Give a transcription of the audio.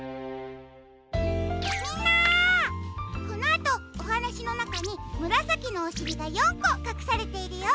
このあとおはなしのなかにむらさきのおしりが４こかくされているよ。